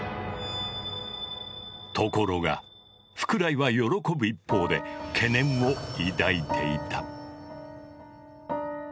ところが福来は喜ぶ一方で懸念を抱いていた。